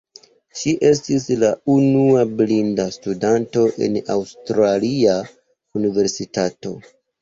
Ŝi estis la unua blinda studanto en Aŭstralia universitato.